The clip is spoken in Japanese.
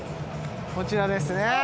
こちらですね。